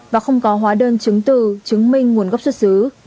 và không có hóa đơn chứng từ chứng minh nguồn gốc xuất xứ